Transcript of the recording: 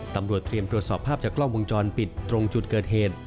ตำรวจเตรียมตรวจสอบภาพจากกล้องวงจรปิดตรงจุดเกิดเหตุ